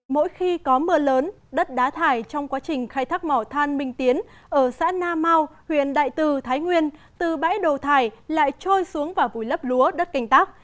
mỗi khi có mưa lớn đất đá thải trong quá trình khai thác mỏ than minh tiến ở xã na mau huyện đại từ thái nguyên từ bãi đồ thải lại trôi xuống và vùi lấp lúa đất canh tác